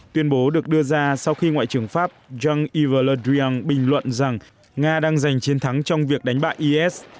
tuyên bố được đưa ra sau khi ngoại trưởng pháp jean yves le drian bình luận rằng nga đang giành chiến thắng trong việc đánh bại is